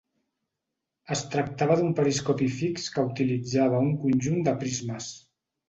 Es tractava d'un periscopi fix que utilitzava un conjunt de prismes.